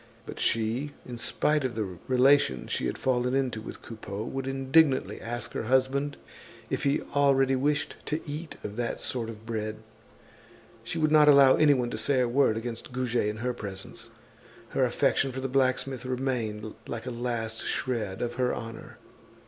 But she, in spite of the relations she had fallen into with Coupeau, would indignantly ask her husband if he already wished to eat of that sort of bread. She would not allow anyone to say a word against Goujet in her presence; her affection for the blacksmith remained like a last shred of her honor.